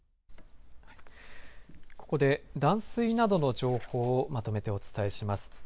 ここで断水などの情報をまとめてお伝えします。